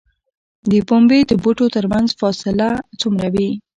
د پنبې د بوټو ترمنځ فاصله څومره وي؟